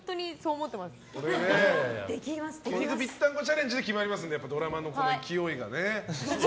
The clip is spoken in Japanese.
牛肉ぴったんこチャレンジで決まりますのでドラマの勢いが。